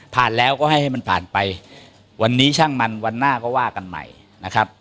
แล้วก็ให้ให้มันผ่านไปวันนี้ช่างมันวันหน้าก็ว่ากันใหม่นะครับ